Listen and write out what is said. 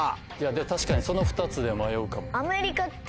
確かにその２つで迷うかも。